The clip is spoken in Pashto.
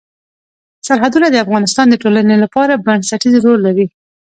سرحدونه د افغانستان د ټولنې لپاره بنسټيز رول لري.